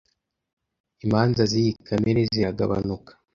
Imanza ziyi kamere ziragabanuka.